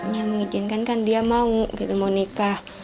yang mengizinkan kan dia mau gitu mau nikah